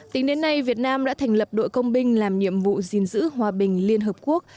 tính đến nay việt nam đã thành lập đội công binh làm nhiệm vụ gìn giữ hòa bình liên hợp quốc